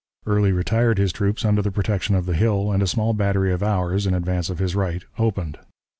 Early retired his troops under the protection of the hill, and a small battery of ours, in advance of his right, opened.